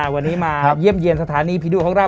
วันนี้มาเยี่ยมเยี่ยมสถานีผีดุของเรา